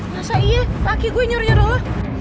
masa iya laki gue nyuruh nyuruh lu